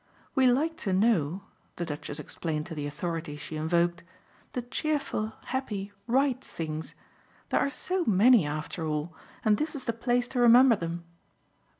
We like to know," the Duchess explained to the authority she invoked, "the cheerful happy RIGHT things. There are so many, after all, and this is the place to remember them.